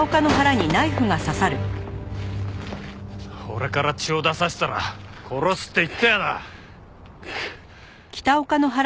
俺から血を出させたら殺すって言ったよな！？